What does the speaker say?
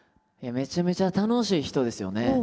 めちゃめちゃ楽しい人ですよね。